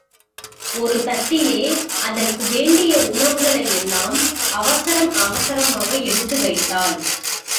ஒரு தட்டிலே அதற்கு வேண்டிய உணவுகளையெல்லாம் அவசரம் அவசரமாக எடுத்து வைத்தாள்.